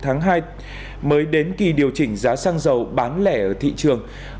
tháng một tháng hai mới đến kỳ điều chỉnh giá xăng dầu bán lẻ ở thị trường